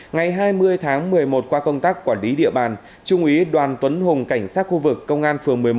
ngày hai mươi tháng một mươi một qua công tác quản lý địa bàn trung úy đoàn tuấn hùng cảnh sát khu vực công an phường một mươi một